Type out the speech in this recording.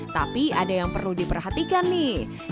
tapi ada yang perlu diperhatikan nih